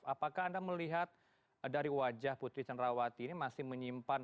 apakah anda melihat dari wajah putri cenrawati ini masih menyimpan